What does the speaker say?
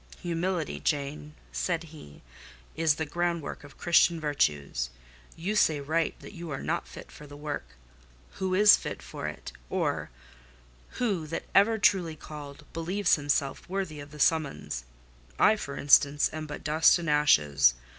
"Humility, Jane," said he, "is the groundwork of Christian virtues: you say right that you are not fit for the work. Who is fit for it? Or who, that ever was truly called, believed himself worthy of the summons? I, for instance, am but dust and ashes.